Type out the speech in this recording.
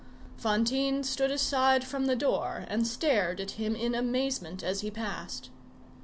Fantine stood aside from the door and stared at him in amazement as he passed.